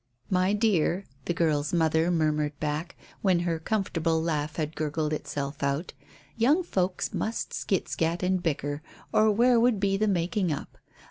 "My dear," the girl's mother murmured back, when her comfortable laugh had gurgled itself out, "young folks must skit skat and bicker, or where would be the making up?